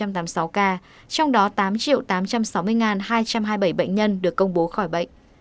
trong đó tám tám trăm sáu mươi hai trăm hai mươi bảy bệnh nhân được công bố khỏi bệnh